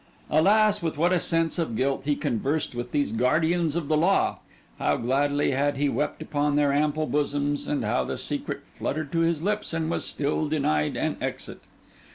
Alas, with what a sense of guilt he conversed with these guardians of the law; how gladly had he wept upon their ample bosoms; and how the secret fluttered to his lips and was still denied an exit!